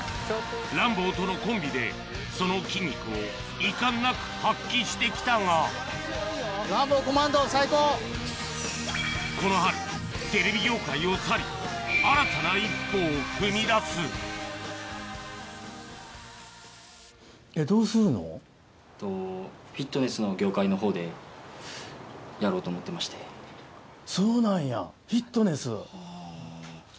ランボーとのコンビでその筋肉を遺憾なく発揮してきたがこの春テレビ業界を去り新たな一歩を踏み出すそうなんやフィットネス。